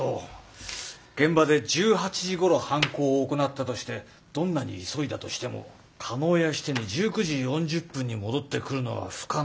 現場で１８時ごろ犯行を行ったとしてどんなに急いだとしても叶谷支店に１９時４０分に戻ってくるのは不可能。